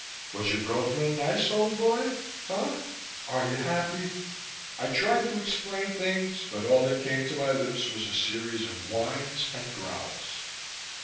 Was your girl friend nice, old boy? Huh? Are you happy?" I tried to explain things but all that came to my lips was a series of whines and growls.